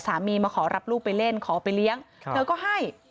มาขอรับลูกไปเล่นขอไปเลี้ยงเธอก็ให้